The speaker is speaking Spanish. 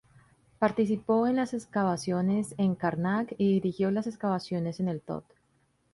Participó en las excavaciones en Karnak y dirigió las excavaciones en El-Tod.